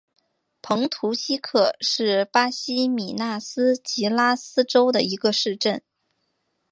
蓬图希克是巴西米纳斯吉拉斯州的一个市镇。